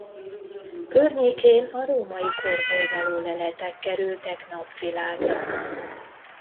Környékén a római korból való leletek kerültek napvilágra.